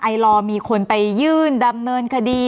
ลอมีคนไปยื่นดำเนินคดี